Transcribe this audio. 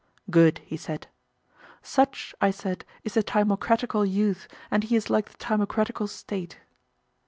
Good, he said. Such, I said, is the timocratical youth, and he is like the timocratical State.